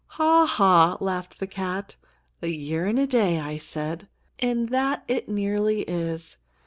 "Ha, ha!" laughed the cat. "A year and a day, I said, and that it nearly is.